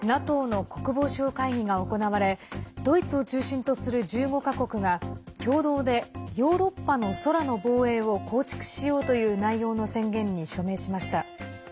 ＮＡＴＯの国防相会議が行われドイツを中心とする１５か国が共同でヨーロッパの空の防衛を構築しようという内容の宣言に署名しました。